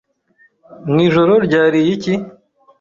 Mwijoro ryariye iki?